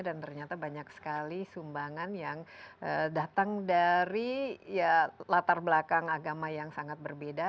dan ternyata banyak sekali sumbangan yang datang dari latar belakang agama yang sangat berbeda